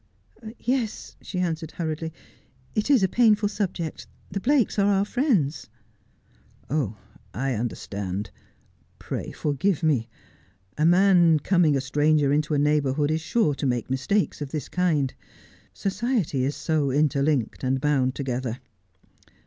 'Yes,' she answered hurriedly, 'it is a painful subject. The Blakes are our friends.' ' I understand . Pray forgive me . A man coming a stranger into a neighbourhood is sure to make mistakes of this kind. Society is so interlinked and bound together.